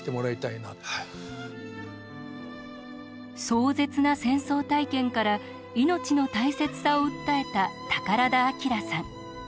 壮絶な戦争体験から命の大切さを訴えた宝田明さん。